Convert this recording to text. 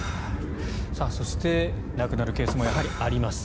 そして、亡くなるケースもやはりあります。